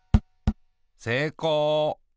せいこう。